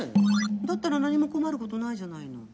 だったら何も困ることないじゃないの。